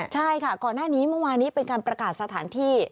ใช่ค่ะก่อนหน้านี้เมื่อวานี้เป็นการประกาศสถานที่